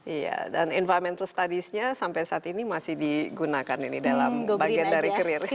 iya dan environmental studies nya sampai saat ini masih digunakan ini dalam bagian dari career